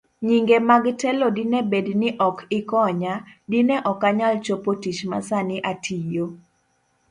Nyinge mag telo Dine bed ni ok ikonya, dine okanyal chopotich masani atiyo.